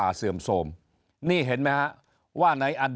นี่ก็เป็นเรื่องแปลกในอดีตที่ผ่านมาหากินนี่ก็เป็นเรื่องแปลกในอดีตที่ผ่านมาหากิน